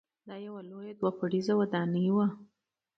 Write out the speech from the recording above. دا یوه لویه دوه پوړیزه ودانۍ وه.